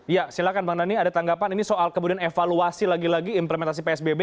ya silakan pak nani ada tanggapan ini soal kemudian evaluasi lagi lagi implementasi psbb